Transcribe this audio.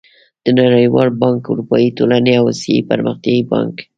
د نړېوال بانک، اروپايي ټولنې او اسيايي پرمختيايي بانک